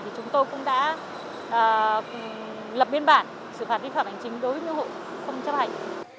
thì chúng tôi cũng đã lập biên bản xử phạt vi phạm hành chính đối với những hộ không chấp hành